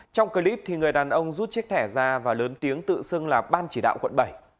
trong clip người đàn ông rút chiếc thẻ ra và lớn tiếng tự xưng là ban chỉ đạo quận bảy